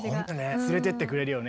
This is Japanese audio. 連れてってくれるよね。